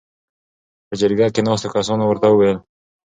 .په جرګه کې ناستو کسانو ورته ووېل: